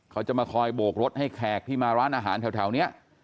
เขาจะมาคอยโบกรถให้แขกที่มาร้านอาหารแถวนี้